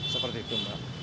seperti itu pak